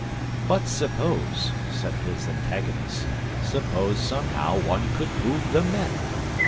"But suppose," said his antagonists; "suppose somehow one could move the men!"